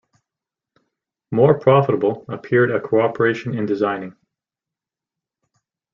More profitable appeared a cooperation in designing.